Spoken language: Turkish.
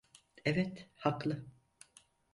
Evet, haklı.